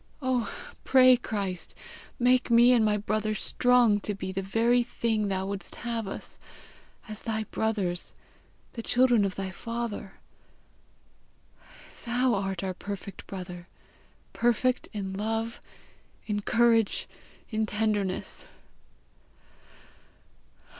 Oh, pray, Christ! make me and my brother strong to be the very thing thou wouldst have us, as thy brothers, the children of thy Father. Thou art our perfect brother perfect in love, in courage, in tenderness!